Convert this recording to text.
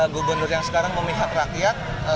gubernur yang sekarang memihak rakyat